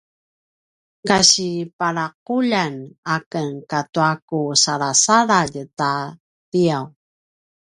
kasi pulaquljan aken katua ku salasaladj ta tiyav